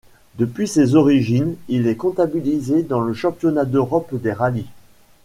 Depuis ses origines, il est comptabilisé dans le Championnat d'Europe des rallyes.